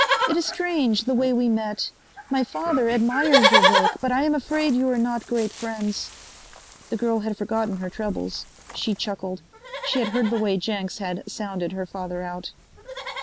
"It is strange, the way we met. My father admires your work, but I am afraid you are not great friends." The girl had forgotten her troubles. She chuckled. She had heard the way Jenks had "sounded" her father out.